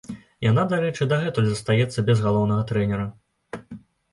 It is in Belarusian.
Яна, дарэчы, дагэтуль застаецца без галоўнага трэнера.